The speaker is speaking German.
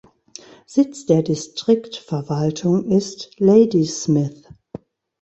Sitz der Distriktverwaltung ist Ladysmith.